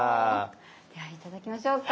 では頂きましょうか。